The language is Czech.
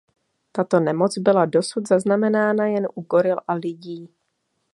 Tato nemoc byla dosud zaznamenána jen u goril a lidí.